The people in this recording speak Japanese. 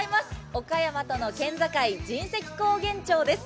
岡山との県境神石高原町です。